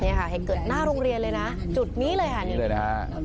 เนี้ยค่ะให้เกือบหน้ารงเรียนเลยนะจุดเลยค่ะนี้เลยนะฮะ